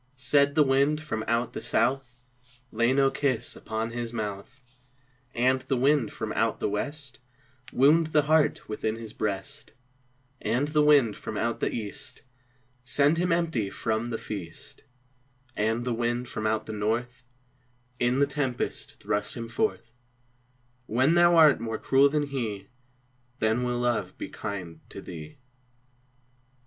Said the wind from out the south, "Lay no kiss upon his mouth," And the wind from out the west, "Wound the heart within his breast," And the wind from out the east, "Send him empty from the feast," And the wind from out the north, "In the tempest thrust him forth; When thou art more cruel than he, Then will Love be kind to thee."